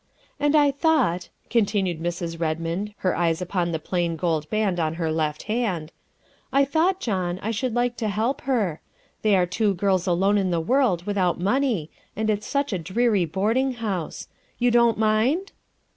"And I thought," continued Mrs. Redmond, her eyes upon the plain gold band on her left hand, " I thought, John, I should like to help her. They are two girls alone in the world without money, and it's such a dreary boarding house. You don't mind?"